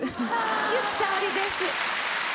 由紀さおりです。